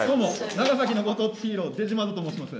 長崎のご当地ヒーローデジマードと申します。